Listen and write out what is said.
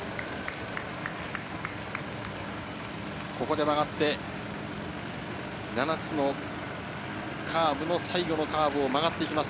ここで曲がって、７つのカーブの最後のカーブを曲がっていきます。